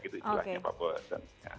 itu istilahnya pak bobasan